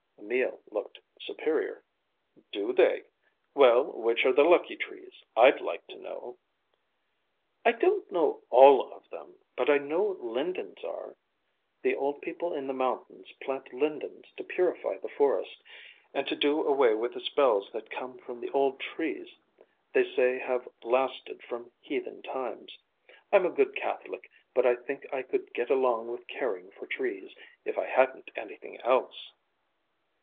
Emil looked superior. "Do they? Well, which are the lucky trees? I'd like to know." "I don't know all of them, but I know lindens are. The old people in the mountains plant lindens to purify the forest, and to do away with the spells that come from the old trees they say have lasted from heathen times. I'm a good Catholic, but I think I could get along with caring for trees, if I hadn't anything else."